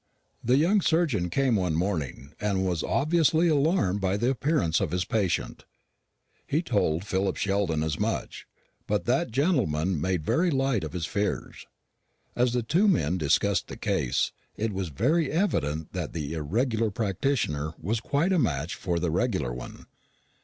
The young surgeon came one morning, and was obviously alarmed by the appearance of his patient. He told Philip Sheldon as much; but that gentleman made very light of his fears. As the two men discussed the case, it was very evident that the irregular practitioner was quite a match for the regular one.